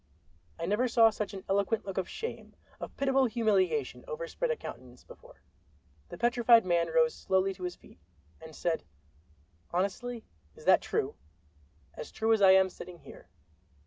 I never saw such an eloquent look of shame, of pitiable humiliation, overspread a countenance before. The Petrified Man rose slowly to his feet, and said: "Honestly, is that true?" "As true as I am sitting here."